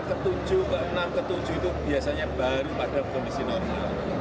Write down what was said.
ketujuh keenam ketujuh itu biasanya baru pada kondisi normal